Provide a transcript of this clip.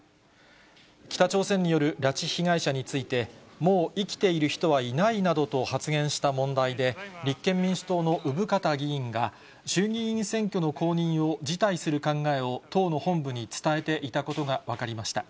北朝鮮による拉致被害者について、もう生きている人はいないなどと発言した問題で、立憲民主党の生方議員が、衆議院選挙の公認を辞退する考えを、党の本部に伝えていたことが分かりました。